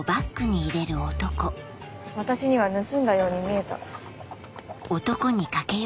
私には盗んだように見えた。